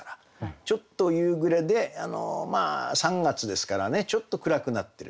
ちょっと夕暮れでまあ３月ですからねちょっと暗くなってる。